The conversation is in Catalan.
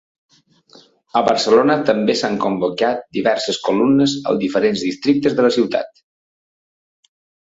A Barcelona, també s’han convocat diverses columnes als diferents districtes de la ciutat.